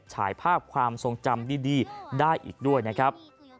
ฉายภาพความทรงจำดีได้อีกด้วยนะครับ